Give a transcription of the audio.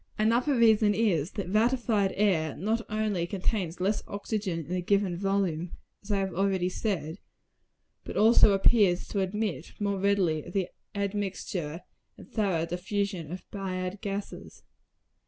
Another reason is, that ratified air not only contains less oxygen in a given volume, as I have already said, but also appears to admit more readily of the admixture and thorough diffusion of bad gases.